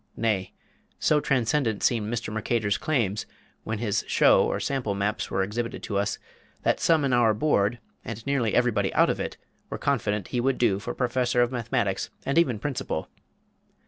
Nay, so transcendent seemed Mr. Merchator's claims, when his show or sample maps were exhibited to us, that some in our Board, and nearly everybody out of it, were confident he would do for Professor of Mathematics and even Principal.